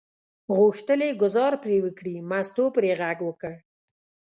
غوښتل یې ګوزار پرې وکړي، مستو پرې غږ وکړ.